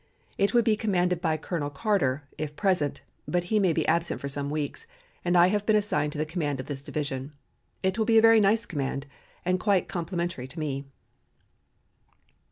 It would be commanded by Colonel Carter, if present, but he may be absent for some weeks, and I have been assigned to the command of this division. It will be a very nice command and quite complimentary to me."